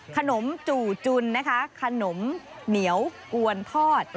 ขนมจู่จุนนะคะขนมเหนียวกวนทอด